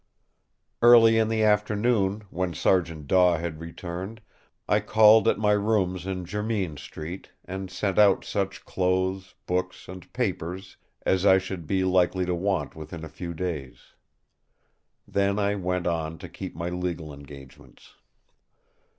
Early in the afternoon, when Sergeant Daw had returned, I called at my rooms in Jermyn Street, and sent out such clothes, books and papers as I should be likely to want within a few days. Then I went on to keep my legal engagements.